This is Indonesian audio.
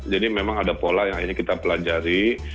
jadi memang ada pola yang akhirnya kita pelajari